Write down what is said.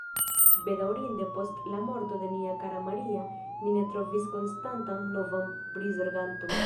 Bedaŭrinde post la morto de nia kara Maria ni ne trovis konstantan novan prizorganton.